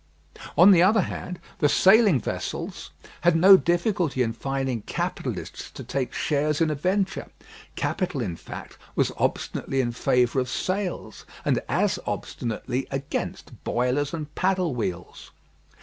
On the other hand, the sailing vessels had no difficulty in finding capitalists to take shares in a venture. Capital, in fact, was obstinately in favour of sails, and as obstinately against boilers and paddle wheels.